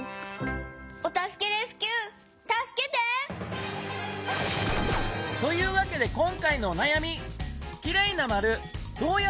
お助けレスキューたすけて！というわけで今回のおなやみ。